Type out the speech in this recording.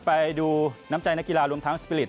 ไปดูน้ำใจนักกีฬารวมทั้งสปิลิป